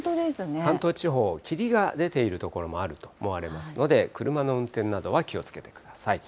関東地方、霧が出ている所もあると思われますので、車の運転などは気をつけてください。